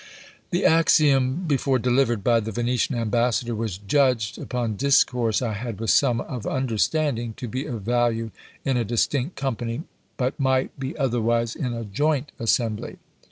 "The Axiom before delivered by the Venetian ambassador was judged upon discourse I had with some of understanding, to be of value in a distinct company, but might be otherwise in a joint assembly!"